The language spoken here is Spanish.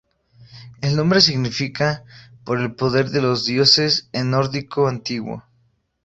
El nombre significa "Por el poder de los dioses" en nórdico antiguo.